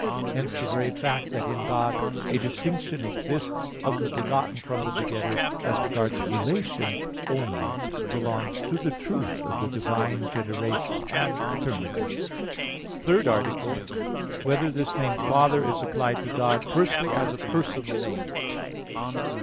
Hence the very fact that in God a distinction exists of the Begotten from the Begetter as regards relation only, belongs to the truth of the divine generation and paternity. _______________________ THIRD ARTICLE [I, Q. 33, Art. 3] Whether This Name "Father" Is Applied to God, Firstly As a Personal Name?